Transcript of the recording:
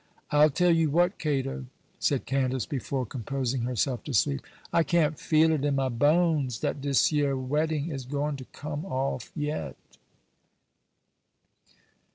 'I'll tell you what, Cato,' said Candace, before composing herself to sleep, 'I can't feel it in my bones dat dis yer wedding is going to come off yet.